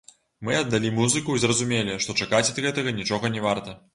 Мы аддалі музыку і зразумелі, што чакаць ад гэтага нічога не варта.